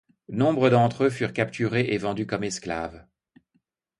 Nombre d'entre eux furent capturés et vendus comme esclaves.